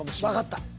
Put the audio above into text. わかった。